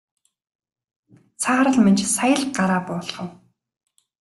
Саарал Минж сая л гараа буулгав.